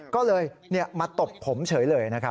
ก็เลยมาตบผมเฉยเลยนะครับ